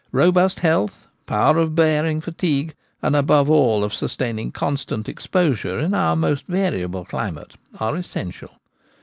Robust health, power of bearing fatigue, and above all of sustaining constant exposure in our most variable climate, are essential.